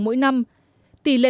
mỗi năm tỷ lệ